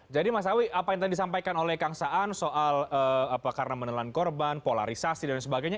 jadi mas awi apa yang tadi disampaikan oleh kang saan soal karena menelan korban polarisasi dan sebagainya